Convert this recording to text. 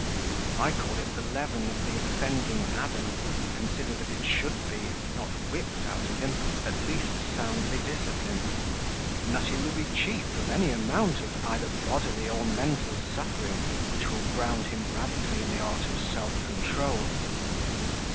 I call it the leaven of the offending Adam, and consider that it should be, if not WHIPPED out of him, at least soundly disciplined; and that he will be cheap of any amount of either bodily or mental suffering which will ground him radically in the art of self control.